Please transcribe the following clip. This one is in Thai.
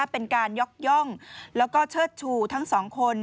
เป็นการยกย่องแล้วก็เชิดชูทั้งสองคน